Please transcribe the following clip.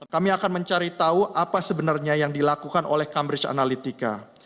kami akan mencari tahu apa sebenarnya yang dilakukan oleh cambridge analytica